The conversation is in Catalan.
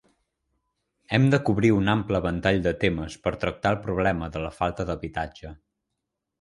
Hem de cobrir un ample ventall de temes per tractar el problema de la falta d'habitatge.